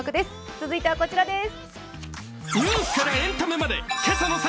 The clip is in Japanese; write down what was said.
続いては、こちらです。